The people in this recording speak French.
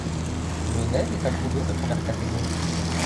L'Aunelle est un cours d'eau de première catégorie.